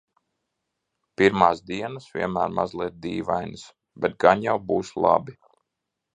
Pirmās dienas vienmēr mazliet dīvainas, bet gan jau būs labi.